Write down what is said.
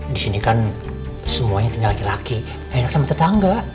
di sini kan semuanya tinggal laki laki enak sama tetangga